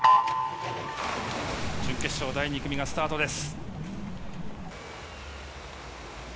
準決勝第２組がスタートです。